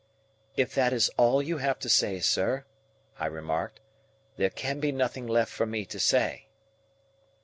"If that is all you have to say, sir," I remarked, "there can be nothing left for me to say."